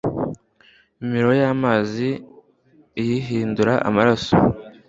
imiyoboro y'amazi iyihindura amaraso